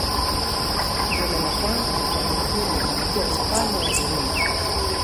Dola la kwanza katika eneo hili lilikuwa Ufalme wa Burundi.